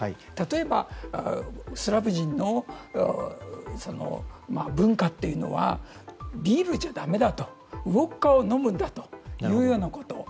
例えばスラブ人の文化というのはビールじゃだめだとウォッカを飲むんだというようなこと。